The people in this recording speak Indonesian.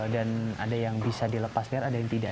dan ada yang bisa dilepas liaran ada yang tidak